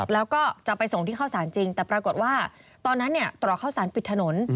แล้วก็จะไปส่งที่เข้าสารจริงแต่ปรากฏว่าตอนนั้นตรอกข้าวสารปิดถนน